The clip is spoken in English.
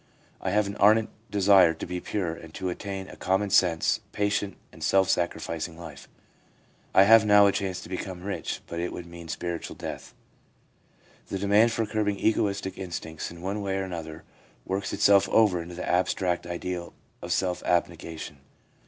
I have an ardent desire to be pure, and to attain a common sense, patient and self sacrificing life. I have now a chance to become rich, but it would mean spiritual death/ The demand for curbing egoistic instincts in one way or another works itself over into the abstract ideal of self abnegation.